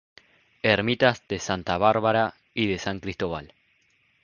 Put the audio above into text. Ermitas de "Santa Bárbara" y de "San Cristóbal".